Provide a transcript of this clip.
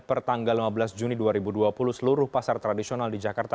pertanggal lima belas juni dua ribu dua puluh seluruh pasar tradisional di jakarta